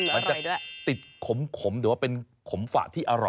มันจะติดขมครมเป็นขมฝาที่อร่อย